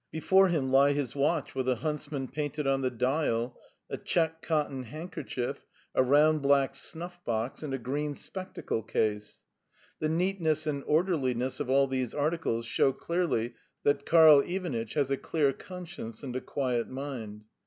Before him lie his watch, with a huntsman painted on the dial, a check cotton handkerchief, a round black snuff box, and a green spectacle case. The neatness and orderliness of all these articles show clearly that Karl Ivanitch has a clear conscience and a quiet mind.